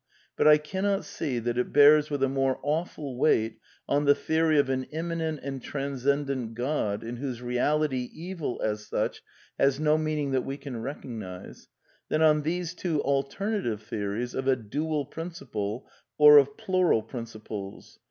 But I cannot see that it bears with a more awful weight on the theory of an immanent A and transcendent God in whose reality evil, as such, has r^o meaning that we can recognize, than on these two alter native theories of a Dual Principle or of Plural Principles.